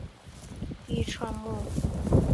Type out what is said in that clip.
愈创木酚遇三氯化铁变为蓝色。